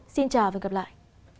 xin chào và gặp lại